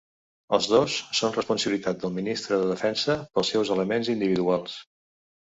Els dos són responsabilitat del Ministre de Defensa pels seus elements individuals.